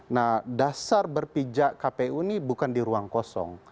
nah dasar berpijak kpu ini bukan di ruang kosong